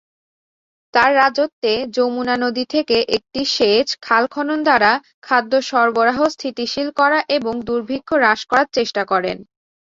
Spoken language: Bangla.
তাঁর রাজত্বে যমুনা নদী থেকে একটি সেচ খাল খনন দ্বারা খাদ্য সরবরাহ স্থিতিশীল করা এবং দুর্ভিক্ষ হ্রাস করার চেষ্টা করেন।